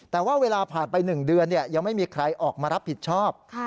แต่ว่าเวลาผ่านไป๑เดือนยังไม่มีใครออกมารับผิดชอบ